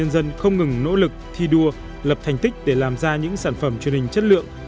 dân không ngừng nỗ lực thi đua lập thành tích để làm ra những sản phẩm truyền hình chất lượng